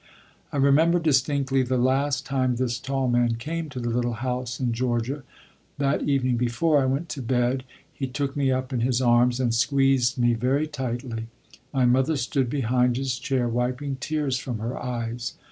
I remember distinctly the last time this tall man came to the little house in Georgia; that evening before I went to bed he took me up in his arms and squeezed me very tightly; my mother stood behind his chair wiping tears from her eyes.